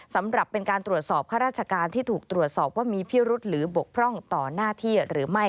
สำหรับเป็นการตรวจสอบข้าราชการที่ถูกตรวจสอบว่ามีพิรุษหรือบกพร่องต่อหน้าที่หรือไม่